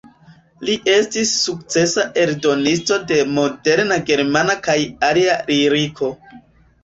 Li estis sukcesa eldonisto de moderna germana kaj alia liriko.